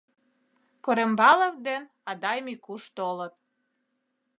Корембалов ден Адай Микуш толыт.